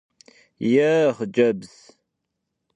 Yê, xhıcebz!